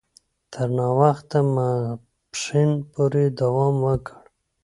تر ناوخته ماپښین پوري دوام وکړ.